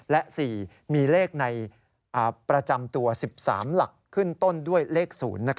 และ๔มีเลขในประจำตัว๑๓หลักขึ้นต้นด้วยเลข๐